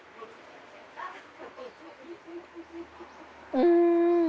うん。